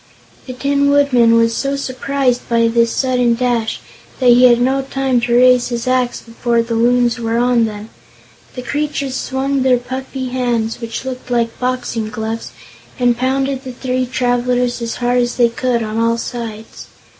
The Tin Woodman was so surprised by this sudden dash that he had no time to raise his axe before the Loons were on them. The creatures swung their puffy hands, which looked like boxing gloves, and pounded the three travelers as hard as they could, on all sides.